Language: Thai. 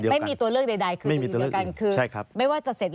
ไม่มีตัวเลือกใด